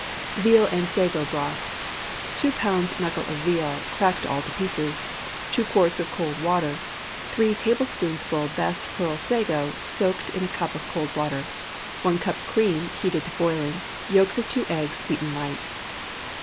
VEAL AND SAGO BROTH. 2 lbs. knuckle of veal, cracked all to pieces. 2 quarts of cold water. 3 tablespoonfuls best pearl sago, soaked in a cup of cold water. 1 cup cream, heated to boiling. Yolks of two eggs, beaten light.